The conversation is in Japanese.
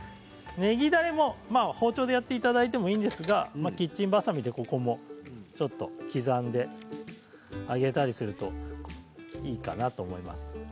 ねぎだれも包丁でやっていただいてもいいんですがキッチンばさみでここも刻んであげたりするといいかなと思います。